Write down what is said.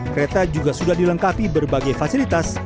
kereta juga sudah dilengkapi berbagai fasilitas